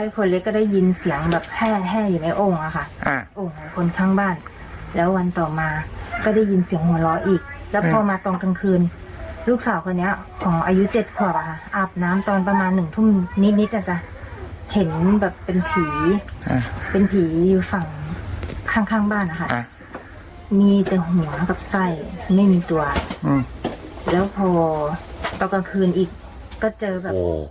เป็นผีอยู่ฝั่งข้างบ้านค่ะมีแต่หัวกับไส้ไม่มีตัวแล้วพอตอนกลางคืนอีกก็เจอแบบ